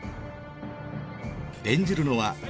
演じるのは。